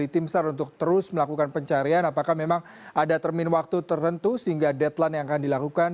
tim sar untuk terus melakukan pencarian apakah memang ada termin waktu tertentu sehingga deadline yang akan dilakukan